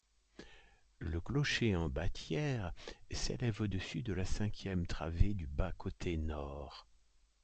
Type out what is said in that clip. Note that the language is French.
Le clocher en bâtière s'élève au-dessus de la cinquième travée du bas-côté nord.